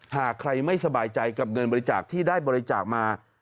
หากใครไม่สบายใจกับเงินบริจาคที่ได้บริจาคมา